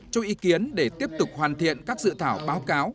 cho ý kiến để tiếp tục hoàn thiện các dự thảo báo cáo